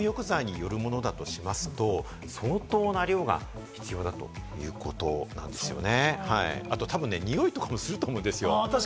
ただ、もし今回の原因が入浴剤によるものだとしますと、相当な量が必要だということなんですよね。